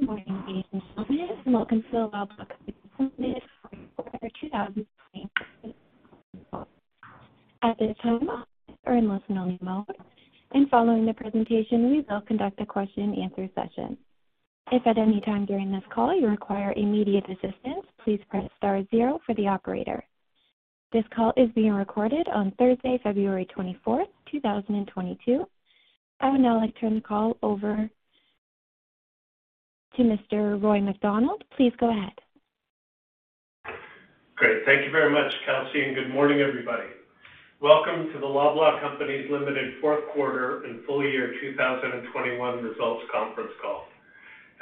Good morning and Welcome to the Loblaw Companies Limited Fourth Quarter 2021. Conference Call At this time, all lines are in listen-only mode, and following the presentation, we will conduct a question and answer session. If at any time during this call you require immediate assistance, please press star zero for the operator. This call is being recorded on Thursday, February 24th, 2022. I would now like to turn the call over to Mr. Roy MacDonald. Please go ahead. Great. Thank you very much, Kelsey, and good morning, everybody. Welcome to the Loblaw Companies Limited Fourth Quarter and Full Year 2021 Results Conference call.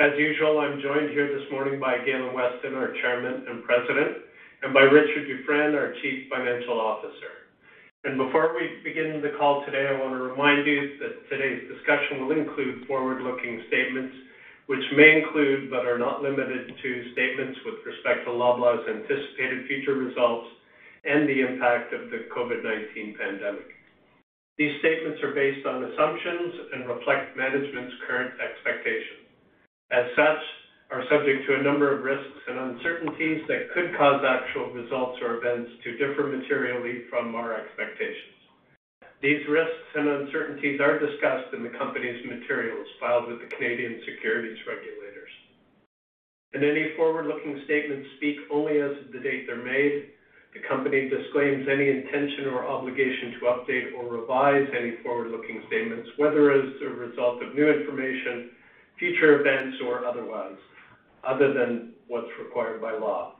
As usual, I'm joined here this morning by Galen Weston, our Chairman and President, and by Richard Dufresne, our Chief Financial Officer. Before we begin the call today, I wanna remind you that today's discussion will include forward-looking statements, which may include, but are not limited to, statements with respect to Loblaw's anticipated future results and the impact of the COVID-19 pandemic. These statements are based on assumptions and reflect management's current expectations. As such, are subject to a number of risks and uncertainties that could cause actual results or events to differ materially from our expectations. These risks and uncertainties are discussed in the company's materials filed with the Canadian Securities Administrators. Any forward-looking statements speak only as of the date they're made. The company disclaims any intention or obligation to update or revise any forward-looking statements, whether as a result of new information, future events, or otherwise, other than what's required by law.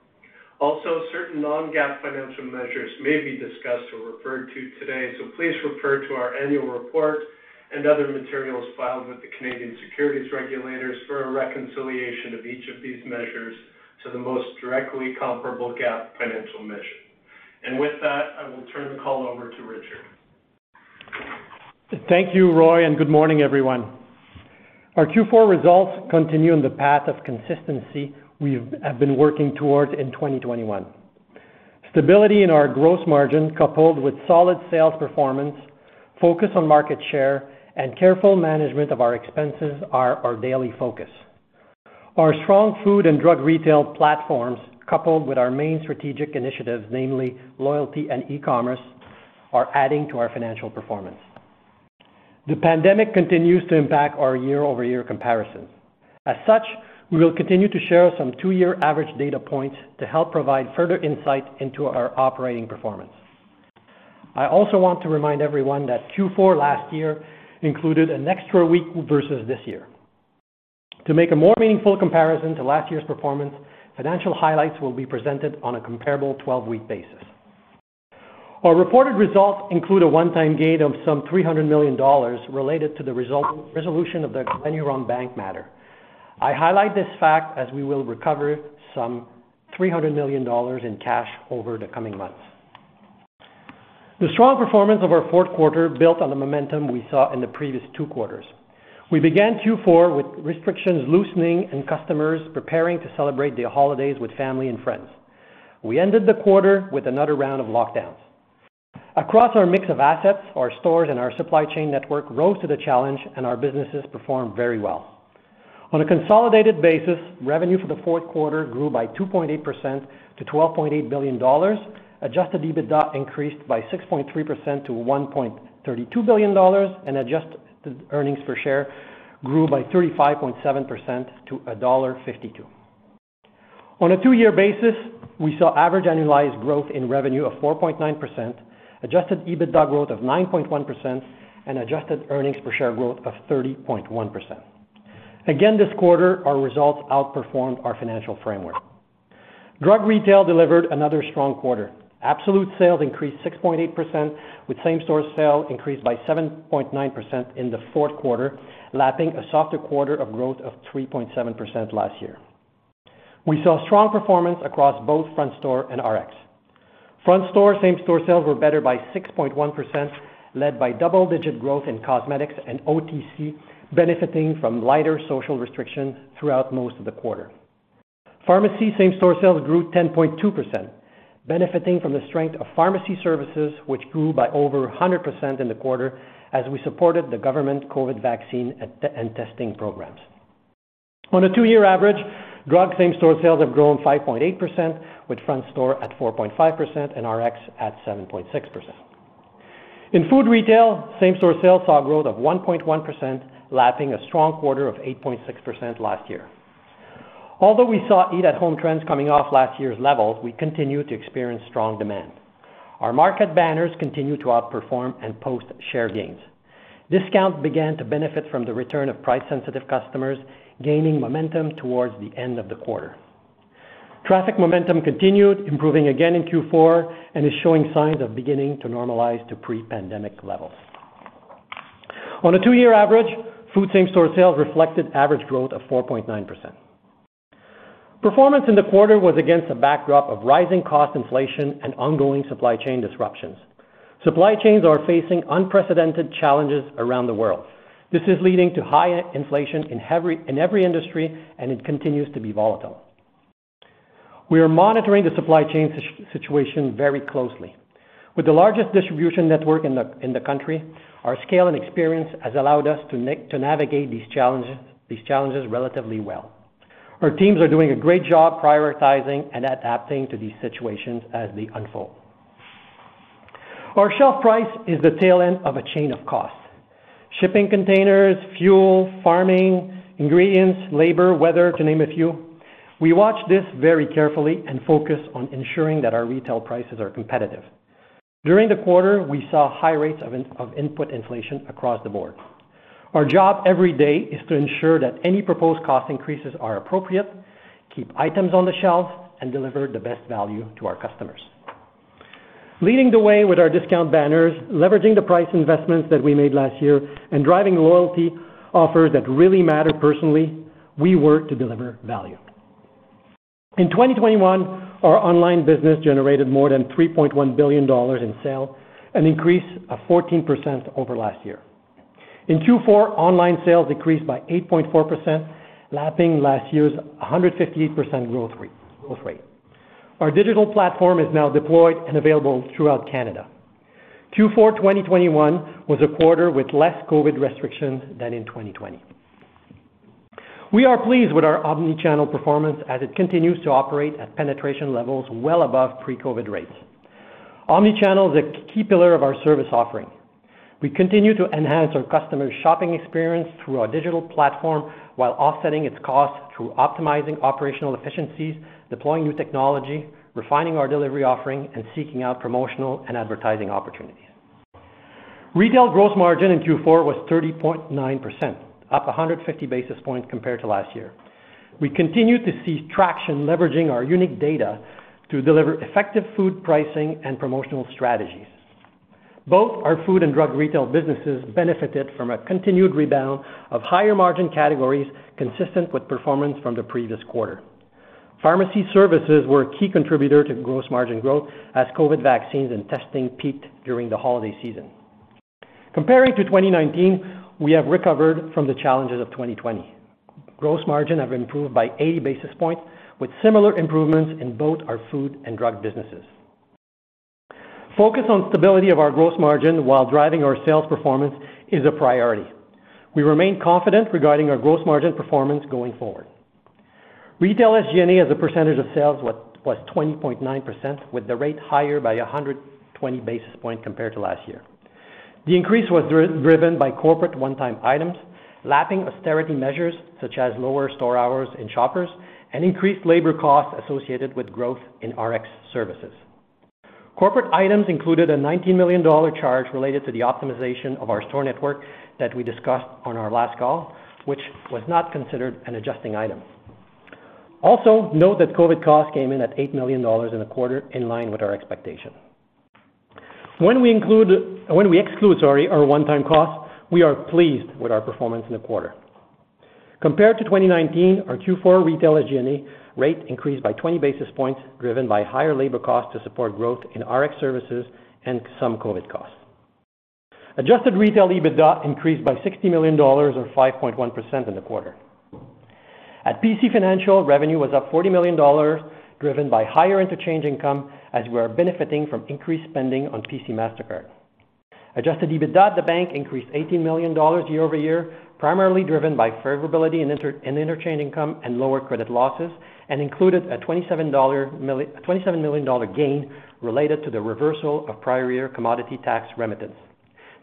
Also, certain non-GAAP financial measures may be discussed or referred to today, so please refer to our annual report and other materials filed with the Canadian Securities Administrators for a reconciliation of each of these measures to the most directly comparable GAAP financial measure. With that, I will turn the call over to Richard. Thank you, Roy, and good morning, everyone. Our Q4 results continue on the path of consistency we have been working towards in 2021. Stability in our gross margin, coupled with solid sales performance, focus on market share, and careful management of our expenses are our daily focus. Our strong food and drug retail platforms, coupled with our main strategic initiatives, namely loyalty and e-commerce, are adding to our financial performance. The pandemic continues to impact our year-over-year comparisons. As such, we will continue to share some two-year average data points to help provide further insight into our operating performance. I also want to remind everyone that Q4 last year included an extra week vs this year. To make a more meaningful comparison to last year's performance, financial highlights will be presented on a comparable 12-week basis. Our reported results include a one-time gain of some 300 million dollars related to the resolution of the Glenhuron Bank matter. I highlight this fact as we will recover some 300 million dollars in cash over the coming months. The strong performance of our fourth quarter built on the momentum we saw in the previous two quarters. We began Q4 with restrictions loosening and customers preparing to celebrate the holidays with family and friends. We ended the quarter with another round of lockdowns. Across our mix of assets, our stores and our supply chain network rose to the challenge and our businesses performed very well. On a consolidated basis, revenue for the fourth quarter grew by 2.8% to 12.8 billion dollars. Adjusted EBITDA increased by 6.3% to 1.32 billion dollars, and adjusted earnings per share grew by 35.7% to dollar 1.52. On a two-year basis, we saw average annualized growth in revenue of 4.9%, adjusted EBITDA growth of 9.1%, and adjusted earnings per share growth of 30.1%. Again, this quarter, our results outperformed our financial framework. Drug Retail delivered another strong quarter. Absolute sales increased 6.8%, with same-store sales increased by 7.9% in the fourth quarter, lapping a softer quarter of growth of 3.7% last year. We saw strong performance across both front store and Rx. Front store same-store sales were better by 6.1%, led by double-digit growth in cosmetics and OTC, benefiting from lighter social restrictions throughout most of the quarter. Pharmacy same-store sales grew 10.2%, benefiting from the strength of pharmacy services which grew by over 100% in the quarter as we supported the government COVID vaccine and testing programs. On a two-year average, drug same-store sales have grown 5.8%, with front store at 4.5% and Rx at 7.6%. In food retail, same-store sales saw a growth of 1.1%, lapping a strong quarter of 8.6% last year. Although we saw eat-at-home trends coming off last year's levels, we continued to experience strong demand. Our market banners continued to outperform and post share gains. Discounts began to benefit from the return of price-sensitive customers gaining momentum towards the end of the quarter. Traffic momentum continued, improving again in Q4 and is showing signs of beginning to normalize to pre-pandemic levels. On a two-year average, food same-store sales reflected average growth of 4.9%. Performance in the quarter was against a backdrop of rising cost inflation and ongoing supply chain disruptions. Supply chains are facing unprecedented challenges around the world. This is leading to high inflation in every industry, and it continues to be volatile. We are monitoring the supply chain situation very closely. With the largest distribution network in the country, our scale and experience has allowed us to navigate these challenges relatively well. Our teams are doing a great job prioritizing and adapting to these situations as they unfold. Our shelf price is the tail end of a chain of costs: shipping containers, fuel, farming, ingredients, labor, weather, to name a few. We watch this very carefully and focus on ensuring that our retail prices are competitive. During the quarter, we saw high rates of input inflation across the board. Our job every day is to ensure that any proposed cost increases are appropriate, keep items on the shelf, and deliver the best value to our customers. Leading the way with our discount banners, leveraging the price investments that we made last year, and driving loyalty offers that really matter personally, we work to deliver value. In 2021, our online business generated more than 3.1 billion dollars in sales, an increase of 14% over last year. In Q4, online sales decreased by 8.4%, lapping last year's 158% growth rate. Our digital platform is now deployed and available throughout Canada. Q4 2021 was a quarter with less COVID restrictions than in 2020. We are pleased with our omni-channel performance as it continues to operate at penetration levels well above pre-COVID rates. Omni-channel is a key pillar of our service offering. We continue to enhance our customers' shopping experience through our digital platform while offsetting its costs through optimizing operational efficiencies, deploying new technology, refining our delivery offering, and seeking out promotional and advertising opportunities. Retail gross margin in Q4 was 30.9%, up 150 basis points compared to last year. We continue to see traction leveraging our unique data to deliver effective food pricing and promotional strategies. Both our food and Drug Retail businesses benefited from a continued rebound of higher margin categories consistent with performance from the previous quarter. Pharmacy services were a key contributor to gross margin growth as COVID vaccines and testing peaked during the holiday season. Comparing to 2019, we have recovered from the challenges of 2020. Gross margin have improved by 80 basis points with similar improvements in both our food and drug businesses. Focus on stability of our gross margin while driving our sales performance is a priority. We remain confident regarding our gross margin performance going forward. Retail SG&A as a % of sales was 20.9%, with the rate higher by 120 basis points compared to last year. The increase was driven by corporate one-time items, lapping austerity measures such as lower store hours in Shoppers, and increased labor costs associated with growth in Rx services. Corporate items included a 90 million dollar charge related to the optimization of our store network that we discussed on our last call, which was not considered an adjusting item. Also, note that COVID costs came in at 8 million dollars in the quarter, in line with our expectation. When we exclude, sorry, our one-time costs, we are pleased with our performance in the quarter. Compared to 2019, our Q4 retail SG&A rate increased by 20 basis points, driven by higher labor costs to support growth in Rx services and some COVID costs. Adjusted retail EBITDA increased by 60 million dollars or 5.1% in the quarter. At PC Financial, revenue was up 40 million dollars, driven by higher interchange income as we are benefiting from increased spending on PC Mastercard. Adjusted EBITDA at the bank increased 80 million dollars year-over-year, primarily driven by favorability in interchange income and lower credit losses, and included a 27 million dollar gain related to the reversal of prior year commodity tax remittance.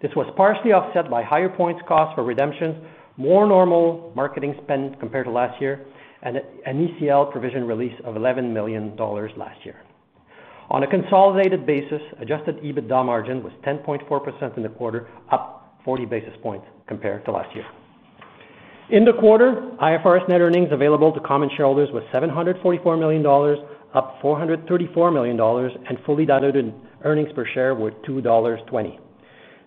This was partially offset by higher points cost for redemptions, more normal marketing spend compared to last year, and an ECL provision release of 11 million dollars last year. On a consolidated basis, adjusted EBITDA margin was 10.4% in the quarter, up 40 basis points compared to last year. In the quarter, IFRS net earnings available to common shareholders was 744 million dollars, up 434 million dollars, and fully diluted earnings per share were 2.20 dollars.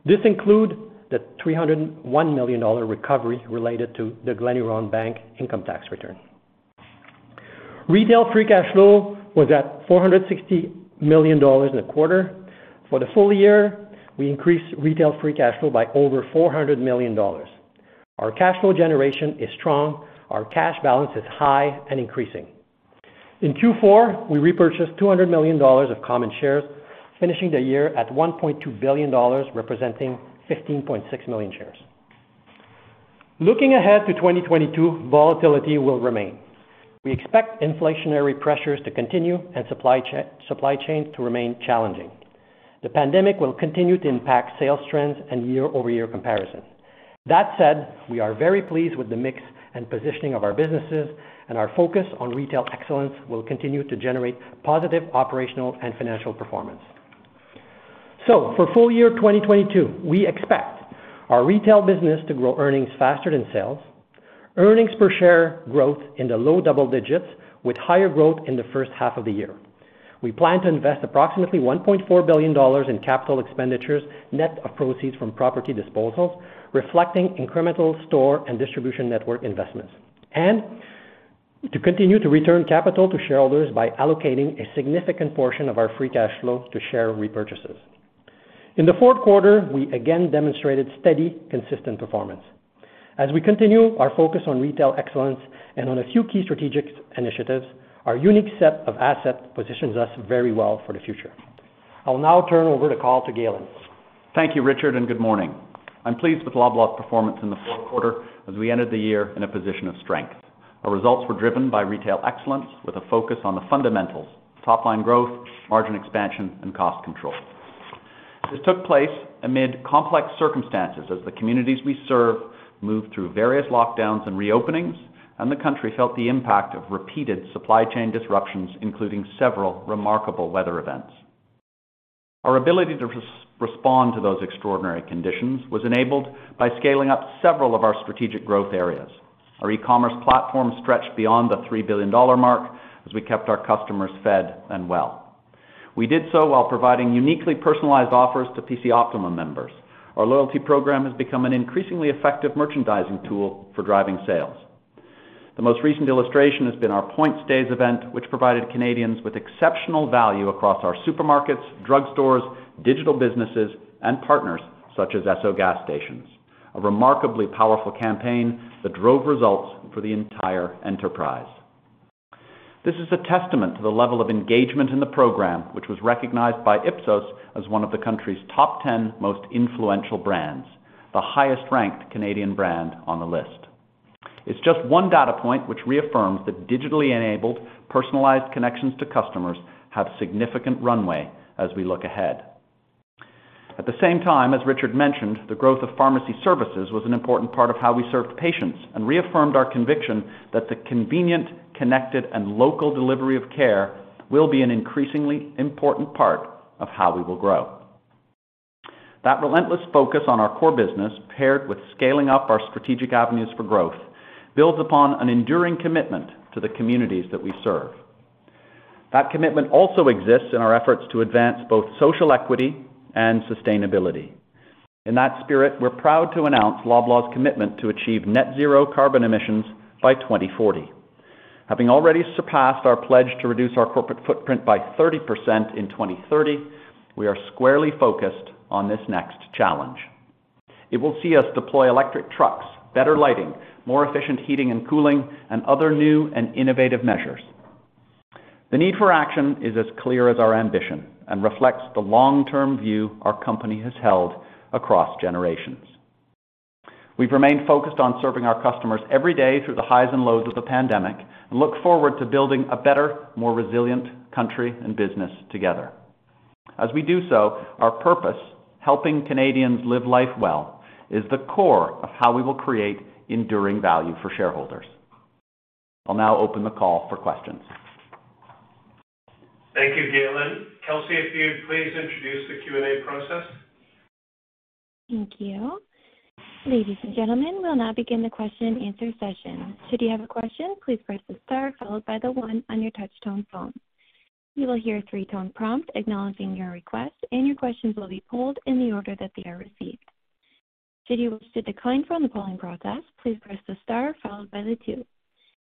This include the 301 million dollar recovery related to the Glenhuron Bank income tax return. Retail free cash flow was at 460 million dollars in the quarter. For the full year, we increased retail free cash flow by over 400 million dollars. Our cash flow generation is strong. Our cash balance is high and increasing. In Q4, we repurchased 200 million dollars of common shares, finishing the year at 1.2 billion dollars, representing 15.6 million shares. Looking ahead to 2022, volatility will remain. We expect inflationary pressures to continue and supply chains to remain challenging. The pandemic will continue to impact sales trends and year-over-year comparisons. That said, we are very pleased with the mix and positioning of our businesses, and our focus on retail excellence will continue to generate positive operational and financial performance. For full year 2022, we expect our retail business to grow earnings faster than sales. Earnings per share growth in the low double digits with higher growth in the first half of the year. We plan to invest approximately 1.4 billion dollars in capital expenditures, net of proceeds from property disposals, reflecting incremental store and distribution network investments. To continue to return capital to shareholders by allocating a significant portion of our free cash flow to share repurchases. In the fourth quarter, we again demonstrated steady, consistent performance. As we continue our focus on retail excellence and on a few key strategic initiatives, our unique set of assets positions us very well for the future. I will now turn over the call to Galen. Thank you, Richard, and good morning. I'm pleased with Loblaw's performance in the fourth quarter as we ended the year in a position of strength. Our results were driven by retail excellence with a focus on the fundamentals, top line growth, margin expansion, and cost control. This took place amid complex circumstances as the communities we serve moved through various lockdowns and reopenings, and the country felt the impact of repeated supply chain disruptions, including several remarkable weather events. Our ability to respond to those extraordinary conditions was enabled by scaling up several of our strategic growth areas. Our e-commerce platform stretched beyond the 3 billion dollar mark as we kept our customers fed and well. We did so while providing uniquely personalized offers to PC Optimum members. Our loyalty program has become an increasingly effective merchandising tool for driving sales. The most recent illustration has been our Points Days event, which provided Canadians with exceptional value across our supermarkets, drugstores, digital businesses, and partners such as Esso gas stations, a remarkably powerful campaign that drove results for the entire enterprise. This is a testament to the level of engagement in the program, which was recognized by Ipsos as one of the country's top ten most influential brands, the highest-ranked Canadian brand on the list. It's just one data point which reaffirms that digitally enabled, personalized connections to customers have significant runway as we look ahead. At the same time, as Richard mentioned, the growth of pharmacy services was an important part of how we served patients and reaffirmed our conviction that the convenient, connected, and local delivery of care will be an increasingly important part of how we will grow. That relentless focus on our core business, paired with scaling up our strategic avenues for growth, builds upon an enduring commitment to the communities that we serve. That commitment also exists in our efforts to advance both social equity and sustainability. In that spirit, we're proud to announce Loblaw's commitment to achieve net zero carbon emissions by 2040. Having already surpassed our pledge to reduce our corporate footprint by 30% in 2030, we are squarely focused on this next challenge. It will see us deploy electric trucks, better lighting, more efficient heating and cooling, and other new and innovative measures. The need for action is as clear as our ambition and reflects the long-term view our company has held across generations. We've remained focused on serving our customers every day through the highs and lows of the pandemic and look forward to building a better, more resilient country and business together. As we do so, our purpose, helping Canadians live life well, is the core of how we will create enduring value for shareholders. I'll now open the call for questions. Thank you, Galen. Kelsey, if you'd please introduce the Q&A process. Thank you. Ladies and gentlemen, we'll now begin the question and answer session. Should you have a question, please press the star followed by the one on your touch-tone phone. You will hear a three-tone prompt acknowledging your request, and your questions will be pooled in the order that they are received. Should you wish to decline from the polling process, please press the star followed by the two.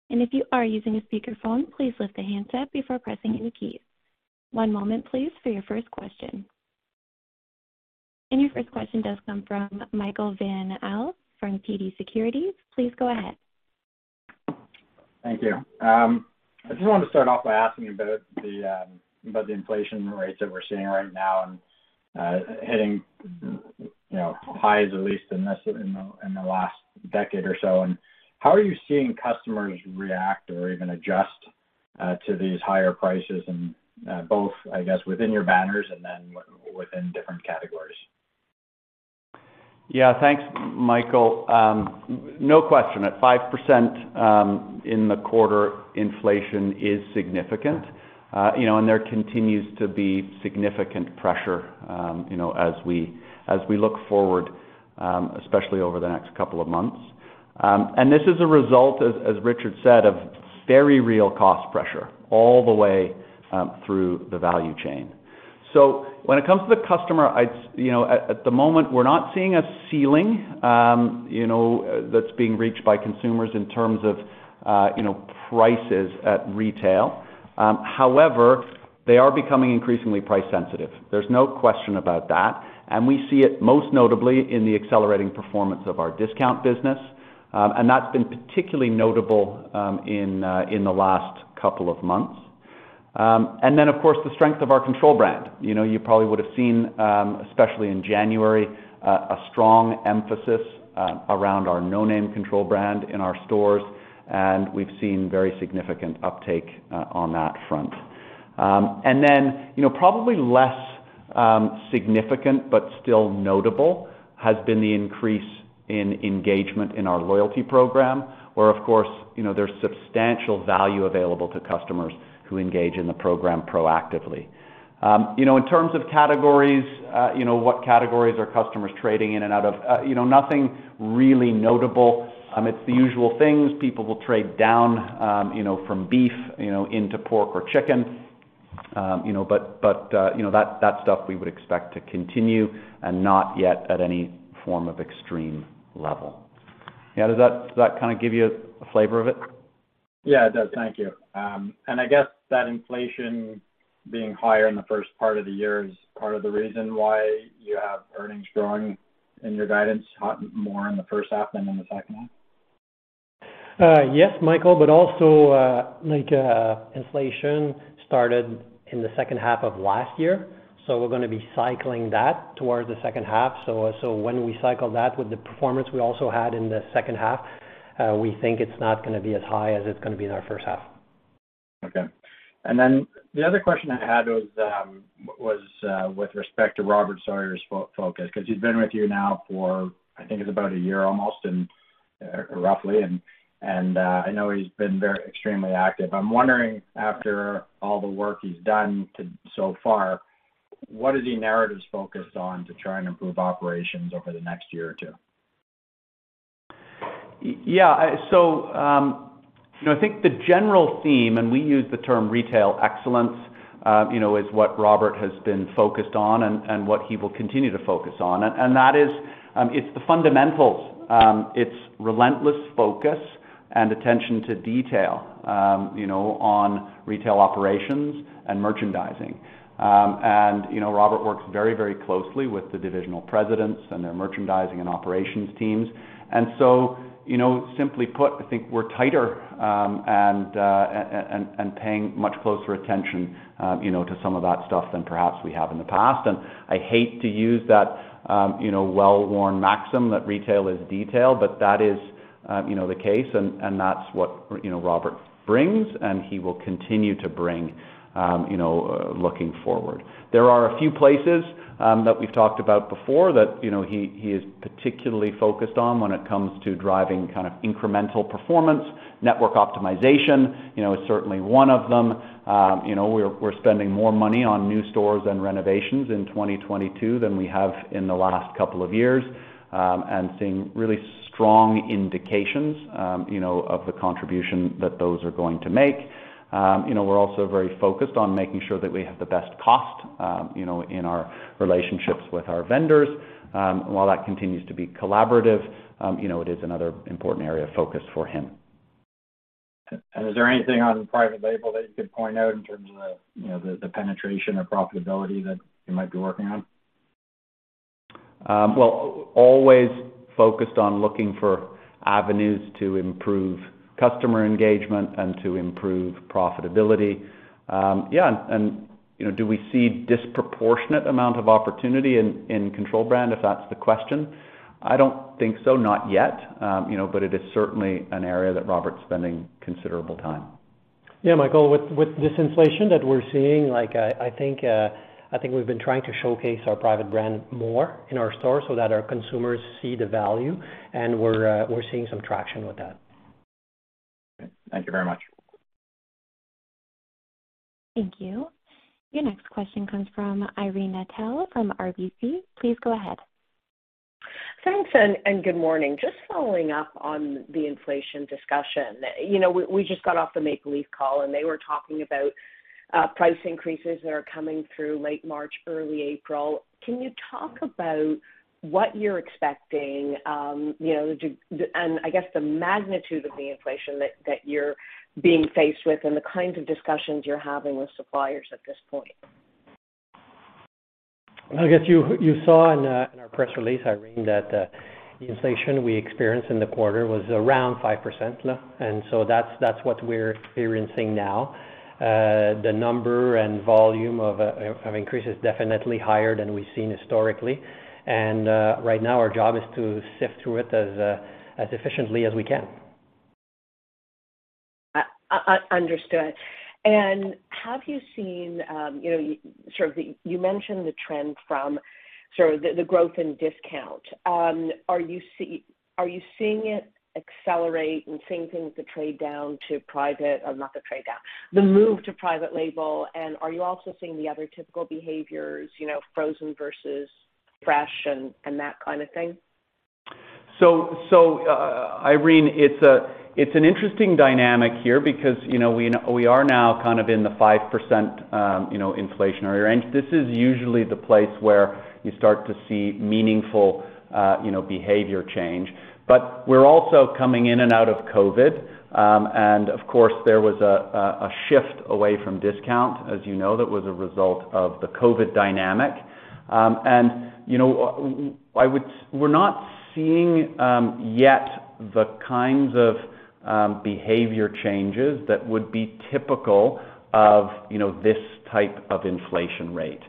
If you are using a speakerphone, please lift the handset before pressing any keys. One moment, please, for your first question. Your first question does come from Michael Van Aelst from TD Securities. Please go ahead. Thank you. I just wanted to start off by asking about the inflation rates that we're seeing right now and heading, you know, highs at least in the last decade or so. How are you seeing customers react or even adjust to these higher prices and both, I guess, within your banners and then within different categories? Yeah. Thanks, Michael. No question. At 5%, in the quarter, inflation is significant. You know, there continues to be significant pressure, you know, as we look forward, especially over the next couple of months. This is a result, as Richard said, of very real cost pressure all the way through the value chain. When it comes to the customer, you know, at the moment, we're not seeing a ceiling that's being reached by consumers in terms of prices at retail. However, they are becoming increasingly price sensitive. There's no question about that. We see it most notably in the accelerating performance of our discount business, and that's been particularly notable in the last couple of months. Of course, the strength of our control brand. You know, you probably would have seen, especially in January, a strong emphasis around our No Name control brand in our stores, and we've seen very significant uptake on that front. You know, probably less significant but still notable has been the increase in engagement in our loyalty program, where of course, you know, there's substantial value available to customers who engage in the program proactively. You know, in terms of categories, you know, what categories are customers trading in and out of, you know, nothing really notable. It's the usual things. People will trade down, you know, from beef, you know, into pork or chicken. You know, but you know, that stuff we would expect to continue and not yet at any form of extreme level. Yeah. Does that kind of give you a flavor of it? Yeah, it does. Thank you. I guess that inflation being higher in the first part of the year is part of the reason why you have earnings growing and your guidance higher more in the first half than in the second half. Yes, Michael, but also, like, inflation started in the second half of last year, so we're gonna be cycling that towards the second half. When we cycle that with the performance we also had in the second half, we think it's not gonna be as high as it's gonna be in our first half. Okay. The other question I had was, with respect to Robert Sawyer's focus, 'cause he's been with you now for, I think it's about a year almost, roughly, I know he's been very extremely active. I'm wondering, after all the work he's done so far, what are the narratives focused on to try and improve operations over the next year or two? Yeah. You know, I think the general theme, and we use the term retail excellence, you know, is what Robert has been focused on and what he will continue to focus on. That is, it's the fundamentals. It's relentless focus and attention to detail, you know, on retail operations and merchandising. You know, Robert works very, very closely with the divisional presidents and their merchandising and operations teams. Simply put, I think we're tighter and paying much closer attention, you know, to some of that stuff than perhaps we have in the past. I hate to use that, you know, well-worn maxim that retail is detail, but that is, you know, the case and that's what Robert brings, and he will continue to bring, you know, looking forward. There are a few places that we've talked about before that, you know, he is particularly focused on when it comes to driving kind of incremental performance. Network optimization, you know, is certainly one of them. You know, we're spending more money on new stores and renovations in 2022 than we have in the last couple of years, and seeing really strong indications, you know, of the contribution that those are going to make. You know, we're also very focused on making sure that we have the best cost, you know, in our relationships with our vendors. While that continues to be collaborative, you know, it is another important area of focus for him. Is there anything on private label that you could point out in terms of the, you know, the penetration or profitability that you might be working on? Well, always focused on looking for avenues to improve customer engagement and to improve profitability. Yeah, you know, do we see disproportionate amount of opportunity in control brand, if that's the question? I don't think so, not yet, you know, but it is certainly an area that Robert's spending considerable time. Yeah, Michael, with this inflation that we're seeing, like, I think we've been trying to showcase our private brand more in our stores so that our consumers see the value and we're seeing some traction with that. Thank you very much. Thank you. Your next question comes from Irene Nattel from RBC. Please go ahead. Thanks, and good morning. Just following up on the inflation discussion. You know, we just got off the Maple Leaf call, and they were talking about price increases that are coming through late March, early April. Can you talk about what you're expecting, you know, I guess the magnitude of the inflation that you're being faced with and the kinds of discussions you're having with suppliers at this point. I guess you saw in our press release, Irene, that the inflation we experienced in the quarter was around 5%. That's what we're experiencing now. The number and volume of increase is definitely higher than we've seen historically. Right now our job is to sift through it as efficiently as we can. Understood. Have you seen the trend you mentioned from the growth in discount? Are you seeing it accelerate and seeing things that trade down to private or not the trade down, the move to private label, and are you also seeing the other typical behaviors, frozen vs fresh and that kind of thing? Irene, it's an interesting dynamic here because, you know, we are now kind of in the 5%, you know, inflationary range. This is usually the place where you start to see meaningful, you know, behavior change. We're also coming in and out of COVID. Of course, there was a shift away from discount, as you know, that was a result of the COVID dynamic. You know, we're not seeing yet the kinds of behavior changes that would be typical of, you know, this type of inflation rate.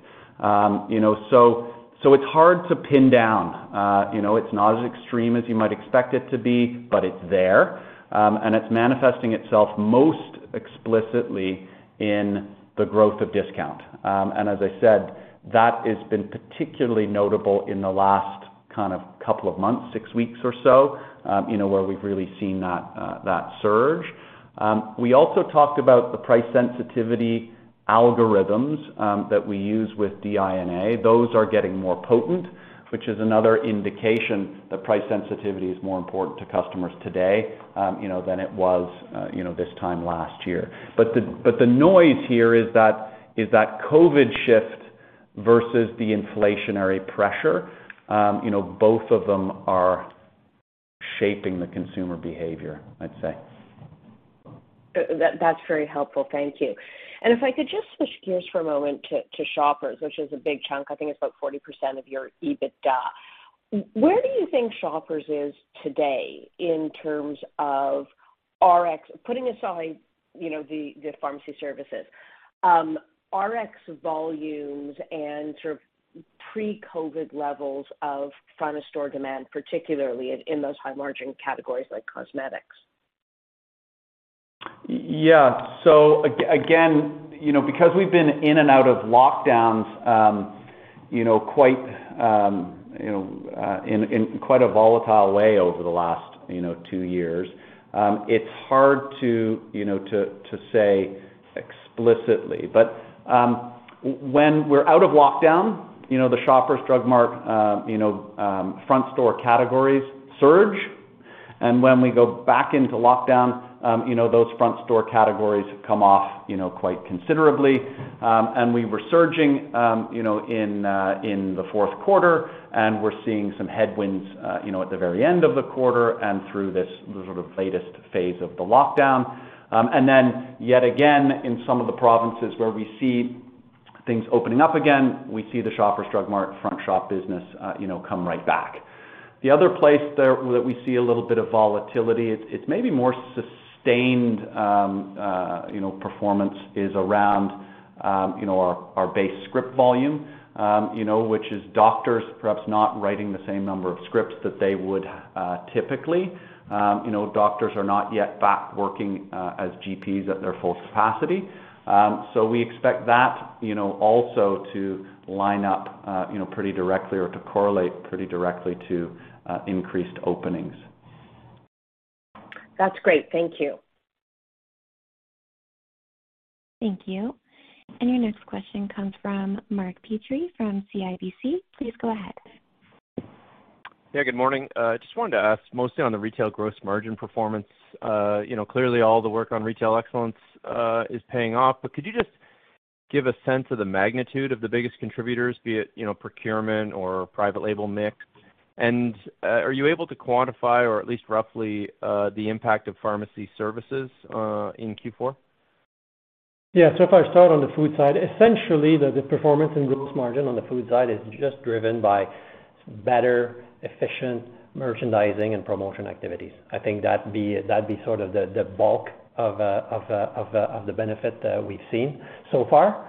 It's hard to pin down. You know, it's not as extreme as you might expect it to be, but it's there. It's manifesting itself most explicitly in the growth of discount. As I said, that has been particularly notable in the last kind of couple of months, six weeks or so, you know, where we've really seen that surge. We also talked about the price sensitivity algorithms, that we use with DINA. Those are getting more potent, which is another indication that price sensitivity is more important to customers today, you know, than it was, you know, this time last year. The noise here is that COVID shift vs the inflationary pressure, you know, both of them are shaping the consumer behavior, I'd say. That's very helpful. Thank you. If I could just switch gears for a moment to Shoppers, which is a big chunk. I think it's about 40% of your EBITDA. Where do you think Shoppers is today in terms of Rx? Putting aside, you know, the pharmacy services, Rx volumes and sort of pre-COVID levels of front store demand, particularly in those high-margin categories like cosmetics. Yeah. Again, you know, because we've been in and out of lockdowns, you know, quite, you know, in quite a volatile way over the last, you know, two years, it's hard to, you know, to say explicitly. When we're out of lockdown, you know, the Shoppers Drug Mart, you know, front store categories surge. When we go back into lockdown, you know, those front store categories come off, you know, quite considerably. We were surging, you know, in the fourth quarter, and we're seeing some headwinds, you know, at the very end of the quarter and through this sort of latest phase of the lockdown. Yet again, in some of the provinces where we see things opening up again, we see the Shoppers Drug Mart front shop business, you know, come right back. The other place there that we see a little bit of volatility, it's maybe more sustained, you know, performance is around, you know, our base script volume, you know, which is doctors perhaps not writing the same number of scripts that they would, typically. You know, doctors are not yet back working, as GPs at their full capacity. We expect that, you know, also to line up, you know, pretty directly or to correlate pretty directly to, increased openings. That's great. Thank you. Thank you. Your next question comes from Mark Petrie from CIBC. Please go ahead. Yeah, good morning. Just wanted to ask mostly on the retail gross margin performance. You know, clearly all the work on retail excellence is paying off, but could you just give a sense of the magnitude of the biggest contributors, be it, you know, procurement or private label mix? Are you able to quantify or at least roughly the impact of pharmacy services in Q4? Yeah. If I start on the food side, essentially the performance in gross margin on the food side is just driven by better efficient merchandising and promotion activities. I think that'd be sort of the bulk of the benefit that we've seen so far.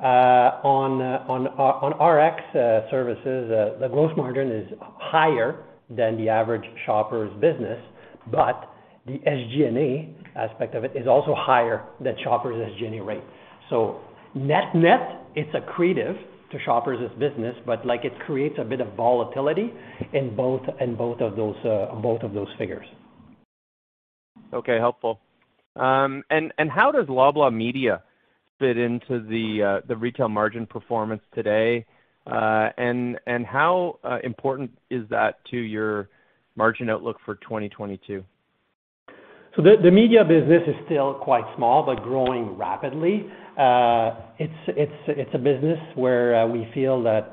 On Rx services, the gross margin is higher than the average Shoppers business, but the SG&A aspect of it is also higher than Shoppers' SG&A rate. Net-net, it's accretive to Shoppers' business, but like, it creates a bit of volatility in both of those figures. Okay, helpful. How does Loblaw Media fit into the retail margin performance today? How important is that to your margin outlook for 2022? The media business is still quite small, but growing rapidly. It's a business where we feel that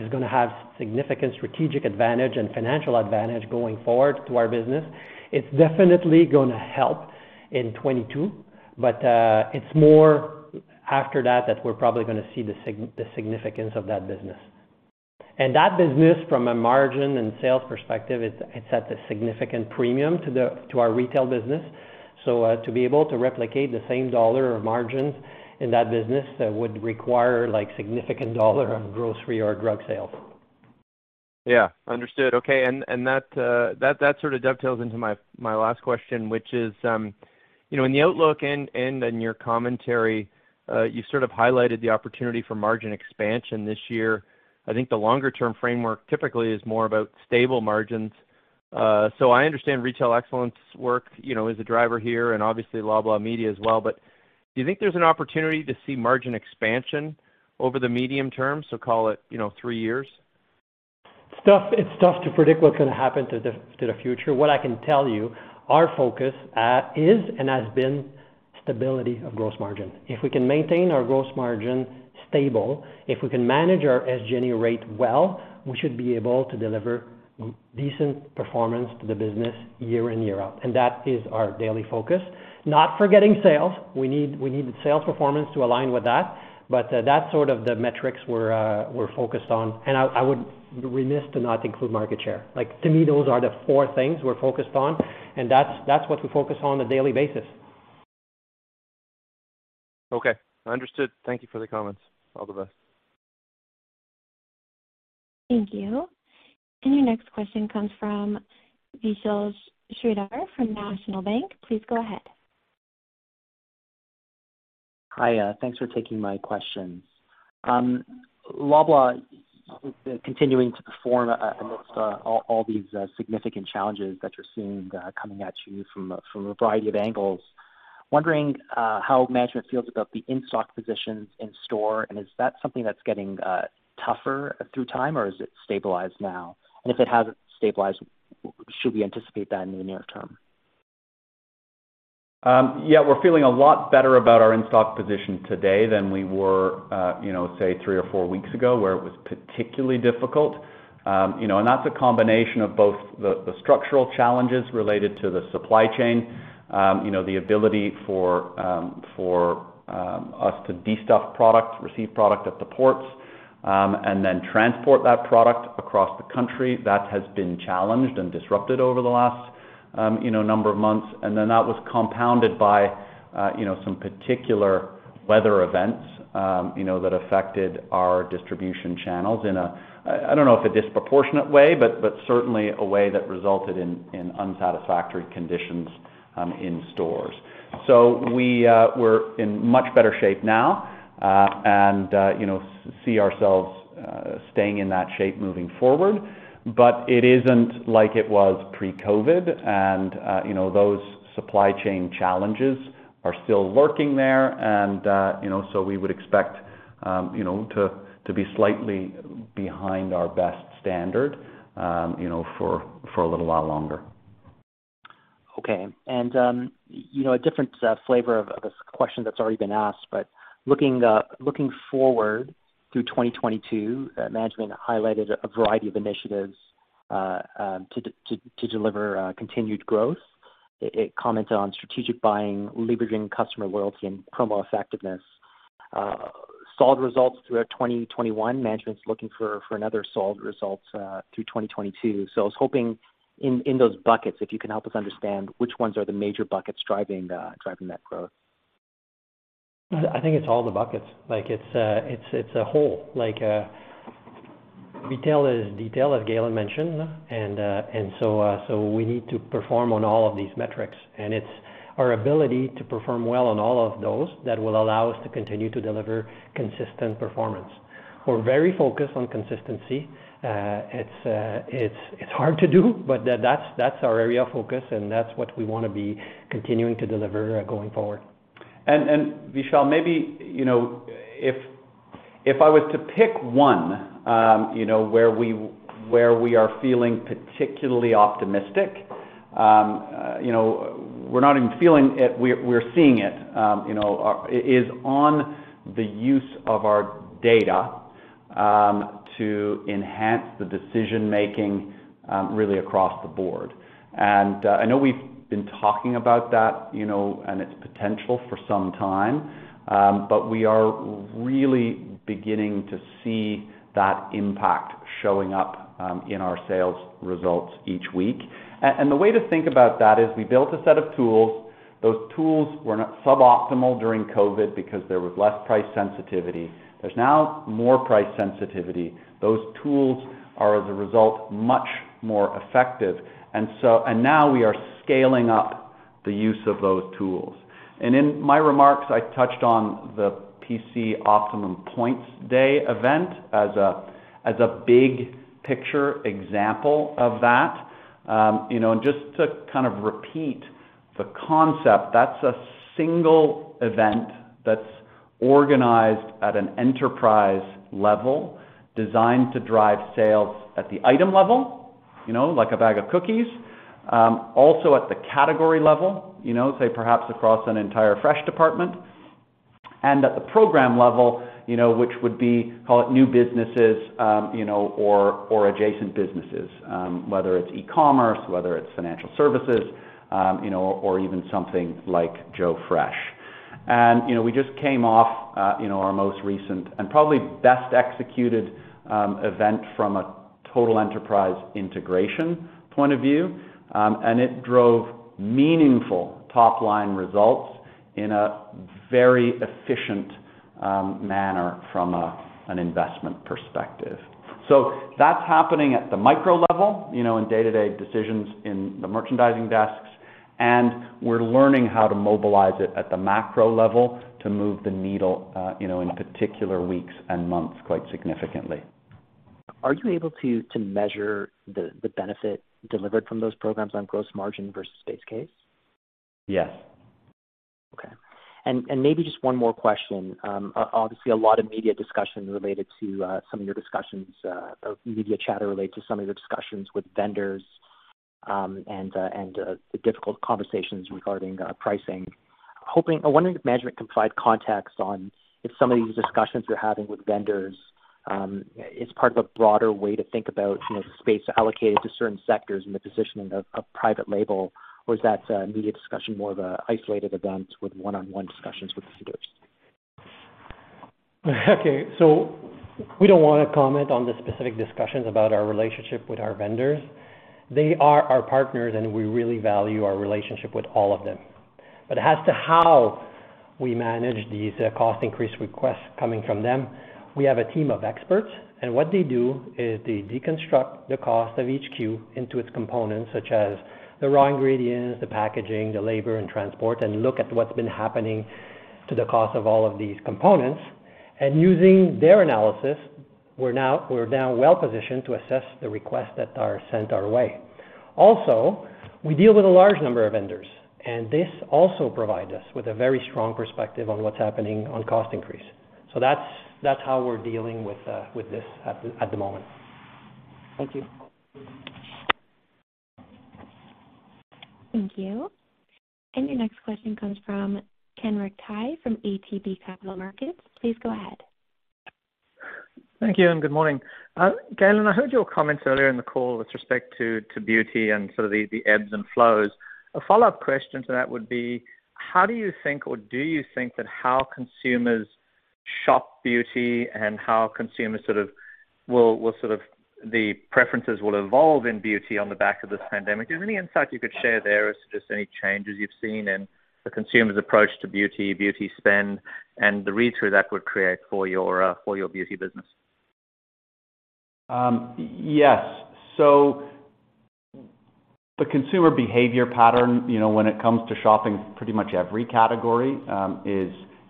is gonna have significant strategic advantage and financial advantage going forward to our business. It's definitely gonna help in 2022, but it's more after that that we're probably gonna see the significance of that business. That business from a margin and sales perspective is at a significant premium to our retail business. To be able to replicate the same dollar or margins in that business, that would require like significant dollar on grocery or drug sales. Yeah. Understood. Okay. That sort of dovetails into my last question, which is, you know, in the outlook and in your commentary, you sort of highlighted the opportunity for margin expansion this year. I think the longer term framework typically is more about stable margins. I understand retail excellence work, you know, is a driver here, and obviously Loblaw Media as well, but do you think there's an opportunity to see margin expansion over the medium term, so call it, you know, three years? It's tough to predict what's gonna happen to the future. What I can tell you, our focus is and has been stability of gross margin. If we can maintain our gross margin stable, if we can manage our SG&A rate well, we should be able to deliver decent performance to the business year in, year out. That is our daily focus. Not forgetting sales. We need sales performance to align with that, but that's sort of the metrics we're focused on. I would be remiss to not include market share. Like, to me, those are the four things we're focused on, and that's what we focus on on a daily basis. Okay. Understood. Thank you for the comments. All the best. Thank you. Your next question comes from Vishal Shreedhar from National Bank. Please go ahead. Hi. Thanks for taking my questions. Loblaw is continuing to perform amidst all these significant challenges that you're seeing coming at you from a variety of angles. Wondering how management feels about the in-stock positions in store, and is that something that's getting tougher over time, or is it stabilized now? If it hasn't stabilized, should we anticipate that in the near term? Yeah, we're feeling a lot better about our in-stock position today than we were, you know, say, three or four weeks ago, where it was particularly difficult. You know, that's a combination of both the structural challenges related to the supply chain, you know, the ability for us to destuff products, receive product at the ports, and then transport that product across the country. That has been challenged and disrupted over the last, you know, number of months. Then that was compounded by, you know, some particular weather events, you know, that affected our distribution channels in a way. I don't know if a disproportionate way, but certainly a way that resulted in unsatisfactory conditions in stores. We're in much better shape now, and you know, see ourselves staying in that shape moving forward. It isn't like it was pre-COVID and you know, those supply chain challenges are still lurking there and you know, we would expect you know, to be slightly behind our best standard you know, for a little while longer. Okay. You know, a different flavor of this question that's already been asked, but looking forward through 2022, management highlighted a variety of initiatives to deliver continued growth. It commented on strategic buying, leveraging customer loyalty and promo effectiveness. Solid results throughout 2021. Management's looking for another solid results through 2022. I was hoping in those buckets, if you can help us understand which ones are the major buckets driving that growth. I think it's all the buckets. Like, it's a whole. Like, retail is detail, as Galen mentioned. We need to perform on all of these metrics, and it's our ability to perform well on all of those that will allow us to continue to deliver consistent performance. We're very focused on consistency. It's hard to do, but that's our area of focus, and that's what we wanna be continuing to deliver going forward. Vishal, maybe, you know, if I was to pick one, you know, where we are feeling particularly optimistic, you know, we're not even feeling it, we're seeing it, you know, is on the use of our data to enhance the decision-making really across the board. I know we've been talking about that, you know, and its potential for some time, but we are really beginning to see that impact showing up in our sales results each week. The way to think about that is we built a set of tools. Those tools were not suboptimal during COVID because there was less price sensitivity. There's now more price sensitivity. Those tools are, as a result, much more effective. Now we are scaling up the use of those tools. In my remarks, I touched on the PC Optimum Points Days event as a big picture example of that. You know, just to kind of repeat the concept, that's a single event that's organized at an enterprise level, designed to drive sales at the item level, you know, like a bag of cookies, also at the category level, you know, say perhaps across an entire fresh department, and at the program level, you know, which would be, call it new businesses, you know, or adjacent businesses, whether it's e-commerce, whether it's financial services, you know, or even something like Joe Fresh. You know, we just came off you know, our most recent and probably best executed event from a total enterprise integration point of view, and it drove meaningful top-line results in a very efficient manner from an investment perspective. That's happening at the micro level, you know, in day-to-day decisions in the merchandising desks, and we're learning how to mobilize it at the macro level to move the needle you know, in particular weeks and months quite significantly. Are you able to measure the benefit delivered from those programs on gross margin vs base case? Yes. Okay. Maybe just one more question. Obviously, a lot of media discussion related to some of your discussions or media chatter related to some of the discussions with vendors, and the difficult conversations regarding pricing. I'm wondering if management can provide context on if some of these discussions you're having with vendors is part of a broader way to think about, you know, the space allocated to certain sectors and the positioning of private label, or is that media discussion more of a isolated event with one-on-one discussions with the suppliers? Okay, we don't wanna comment on the specific discussions about our relationship with our vendors. They are our partners, and we really value our relationship with all of them. As to how we manage these cost increase requests coming from them, we have a team of experts, and what they do is they deconstruct the cost of each SKU into its components, such as the raw ingredients, the packaging, the labor and transport, and look at what's been happening to the cost of all of these components. Using their analysis, we're now well-positioned to assess the requests that are sent our way. Also, we deal with a large number of vendors, and this also provides us with a very strong perspective on what's happening on cost increase. That's how we're dealing with this at the moment. Thank you. Thank you. Your next question comes from Kenric Tyghe from ATB Capital Markets. Please go ahead. Thank you, and good morning. Galen, I heard your comments earlier in the call with respect to beauty and sort of the ebbs and flows. A follow-up question to that would be how do you think that how consumers shop beauty and the preferences will evolve in beauty on the back of this pandemic. Is there any insight you could share there as to just any changes you've seen in the consumer's approach to beauty spend, and the read-through that would create for your beauty business? Yes. The consumer behavior pattern, you know, when it comes to shopping pretty much every category,